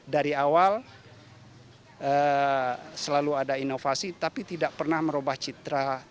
dari awal selalu ada inovasi tapi tidak pernah merubah citra